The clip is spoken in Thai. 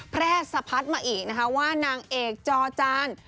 แพร่สะพัดมาอีกนะคะว่านางเอกจอจาน